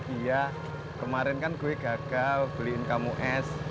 iya kemarin kan gue gagal beliin kamu es